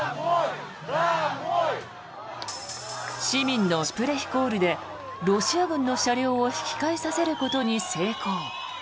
市民のシュプレヒコールでロシア軍の車両を引き返させることに成功。